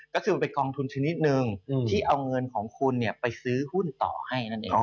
ก็คือมันเป็นกองทุนชนิดหนึ่งที่เอาเงินของคุณไปซื้อหุ้นต่อให้นั่นเอง